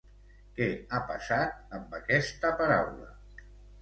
Què ha passat amb aquesta paraula?